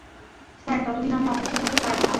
Sir, ততদিন আমি অপেক্ষা করতে পারবো না।